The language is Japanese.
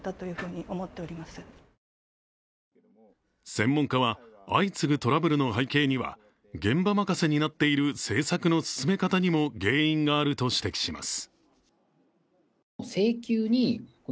専門家は、相次ぐトラブルの背景には現場任せになっている政策の進め方にも原因があると指摘します。